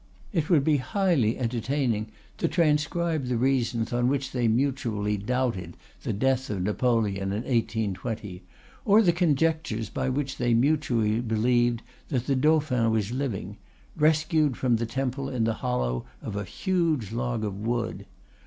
It would be highly entertaining to transcribe the reasons on which they mutually doubted the death of Napoleon in 1820, or the conjectures by which they mutually believed that the Dauphin was living, rescued from the Temple in the hollow of a huge log of wood.